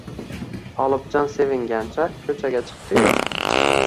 Tolibjon sevingancha ko‘chaga chiqdi-yu